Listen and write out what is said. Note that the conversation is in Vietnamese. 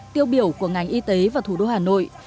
tiêu biểu của ngành y tế và thủ đô hà nội